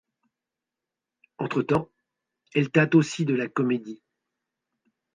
Entre-temps, elle tâte aussi de la comédie.